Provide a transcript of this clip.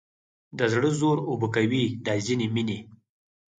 د زړه زور اوبه کوي دا ځینې مینې